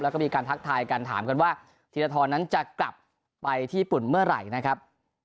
แล้วก็มีการทักทายกันถามกันว่าธีรทรนั้นจะกลับไปที่ญี่ปุ่นเมื่อไหร่นะครับ